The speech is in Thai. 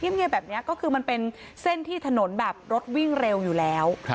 เงียบแบบนี้ก็คือมันเป็นเส้นที่ถนนแบบรถวิ่งเร็วอยู่แล้ว